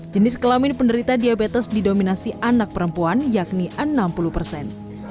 jenis kelamin penderita diabetes didominasi anak perempuan yakni enam puluh persen